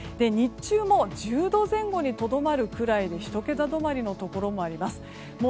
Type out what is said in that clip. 日中も１０度前後にとどまるくらいの１桁止まりのところもあります。